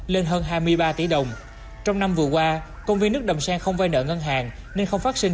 lên hơn hai mươi ba tỷ đồng trong năm vừa qua công viên nước đầm sen không vay nợ ngân hàng nên không phát